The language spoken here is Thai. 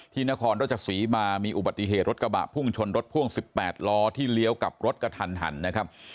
ที่นครรจสุริมามีอุบัติเหตุรถกระบะพุ่งชนรถพ่วงสิบแปดล้อที่เลี้ยวกับรถกระทันนะครับ